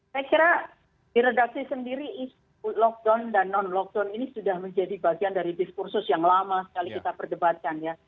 saya kira di redaksi sendiri isu lockdown dan non lockdown ini sudah menjadi bagian dari diskursus yang lama sekali kita perdebatkan ya